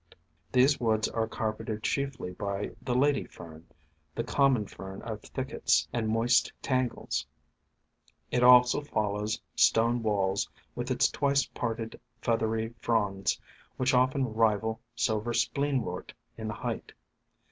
ig8 THE FANTASIES OF FERNS These woods are carpeted chiefly by the Lady Fern, the common Fern of thickets and moist tan gles. It also follows stone walls with its twice parted feathery fronds, which often rival Silver Spleenwort in height.